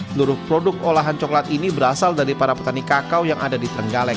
seluruh produk olahan coklat ini berasal dari para petani kakao yang ada di trenggalek